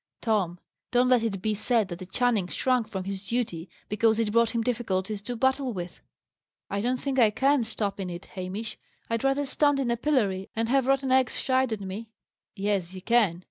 Tom, don't let it be said that a Channing shrunk from his duty because it brought him difficulties to battle with." "I don't think I can stop in it, Hamish. I'd rather stand in a pillory, and have rotten eggs shied at me." "Yes, you can.